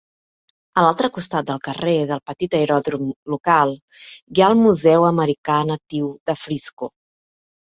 A l'altre costat del carrer del petit aeròdrom local, hi ha el Museu Americà Natiu de Frisco.